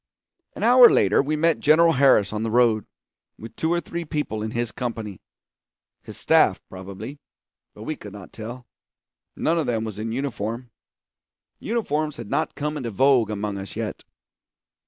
An hour later we met General Harris on the road, with two or three people in his company his staff, probably, but we could not tell; none of them was in uniform; uniforms had not come into vogue among us yet.